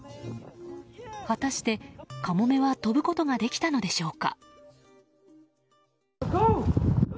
果たして、カモメは飛ぶことができたのでしょうか。